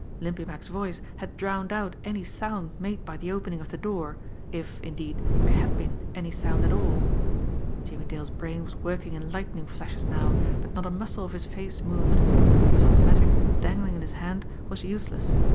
Limpy Mack's voice had drowned out any sound made by the opening of the door, if, indeed, there had been any sound at all. Jimmie Dale's brain was working in lightning flashes now, but not a muscle of his face moved. His automatic dangling in his hand was useless.